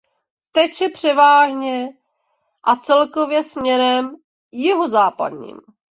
Teče převážně a celkově směrem jihozápadním.